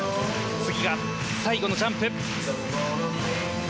次が最後のジャンプ。